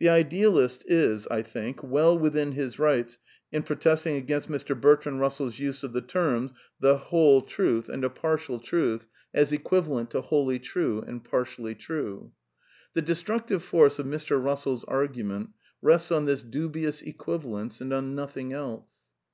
The idealist is, I think, ^well within hi s rights in protesting^ against Mr. Bertrand liussell's use oFthe terms " the whole ^ 1 194 A DEFENCE OF IDEALISM truth " and " a partial truth " as equivalent to wholly true and partially true. The destructive force of Mr. Bussell's argument rests on this dubious equivalence and on nothing else.